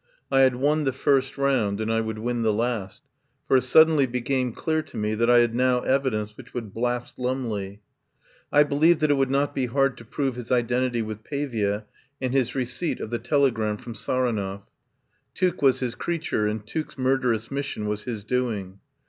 I had won the first round, and I would win the last, for it suddenly became clear to me that I had now evidence which would blast Lumley. I be lieved that it would not be hard to prove his identitv with Pavia and his receipt of the telegram from Saronov; Tuke was his crea ture, and Tuke's murderous mission was his doing.